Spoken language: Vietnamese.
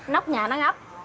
nóc nhà nó ngập